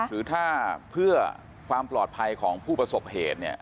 หรือถ้าเพื่อความปลอดภัยของผู้ประสบเหตุเนี่ย